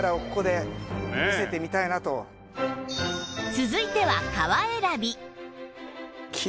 続いては革選び